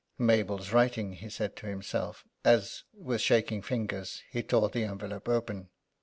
"Mabel's writing," he said to himself, as, with shaking fingers, he tore the envelope open.